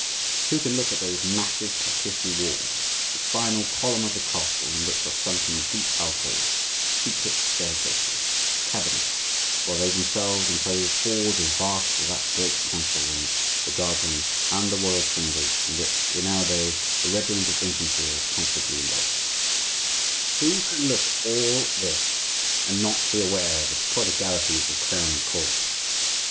Who can look at those massive partition walls, the spinal column of the castle, in which are sunken deep alcoves, secret staircases, cabinets, while they themselves enclose halls as vast as that great council room, the guardroom, and the royal chambers, in which, in our day, a regiment of infantry is comfortably lodged—who can look at all this and not be aware of the prodigalities of Crown and court?